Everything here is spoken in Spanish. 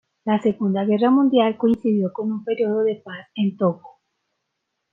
La Segunda Guerra Mundial coincidió con un período de paz en Togo.